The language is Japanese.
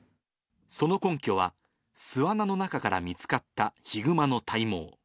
その根拠は、巣穴の中から見つかったヒグマの体毛。